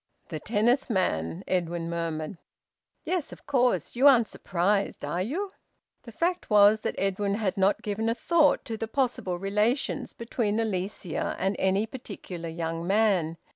"The tennis man!" Edwin murmured. "Yes, of course! You aren't surprised, are you?" The fact was that Edwin had not given a thought to the possible relations between Alicia and any particular young man.